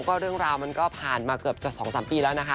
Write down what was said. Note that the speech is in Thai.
ก็เรื่องราวมันก็ผ่านมาเกือบจะ๒๓ปีแล้วนะคะ